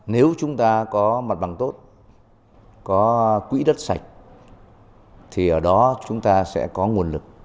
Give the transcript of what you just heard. nếu chúng ta có mặt bằng tốt có quỹ đất sạch thì ở đó chúng ta sẽ có nguồn lực